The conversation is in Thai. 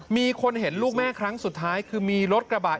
มีคนเห็นลูกแม่ครั้งสุดท้ายคือมีรถกระบาด